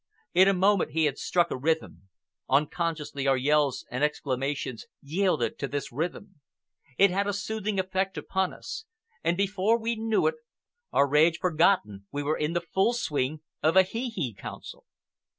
In a moment he had struck a rhythm. Unconsciously, our yells and exclamations yielded to this rhythm. It had a soothing effect upon us; and before we knew it, our rage forgotten, we were in the full swing of a hee hee council.